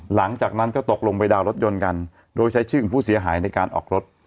หลังจากนั้นก็ตกลงไปดาวนรถยนต์กันโดยใช้ชื่อของผู้เสียหายในการออกรถ